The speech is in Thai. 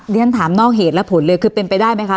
เรียนถามนอกเหตุและผลเลยคือเป็นไปได้ไหมคะ